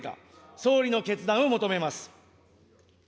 総理の決断を求めます。